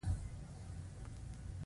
ما پور غوښته، تا نور غوښته.